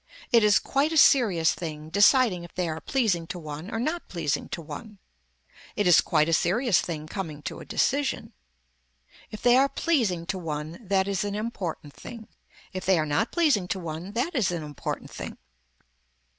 It is quite a serious thing deciding if they are pleasing to one or not pleasing to one. It is quite a serious thing coming to a decision. If they are pleasing to one that is an important thing. If they are not pleasing to one that is an important thing.